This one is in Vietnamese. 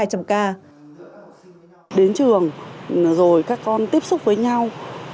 đến trường rồi các con tiếp xúc với nhau